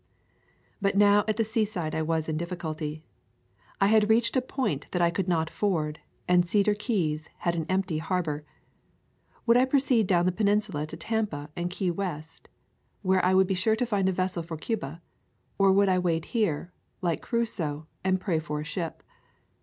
But now at the seaside I was in difficulty. I had reached a point that I could not ford, and Cedar Keys had an empty harbor. Would I pro ceed down the peninsula to Tampa and Key West, where I would be sure to find a vessel for Cuba, or would I wait here, like Crusoe, and pray for a ship.